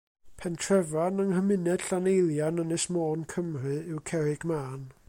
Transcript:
Pentrefan yng nghymuned Llaneilian, Ynys Môn, Cymru yw Cerrig-mân.